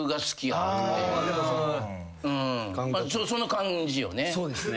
その感じよね。